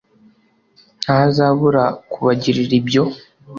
ntazabura kubagirira ibyo